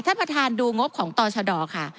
ท่านประธานดูงบของตชดค่ะ